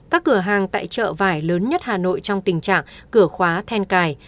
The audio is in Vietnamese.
các cửa hàng tại chợ vải lớn nhất hà nội trong tình trạng cửa khóa then cài